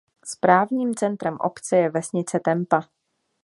Správním centrem obce je vesnice Tempa.